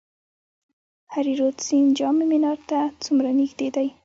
هریرود سیند جام منار ته څومره نږدې دی؟